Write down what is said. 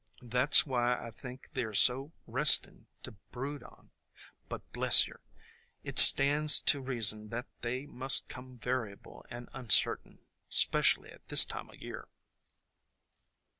That 's why I think they 're so restin' to brood on ; but bless yer, it stands to reason that they must come variable and uncertain, specially at this time o' year."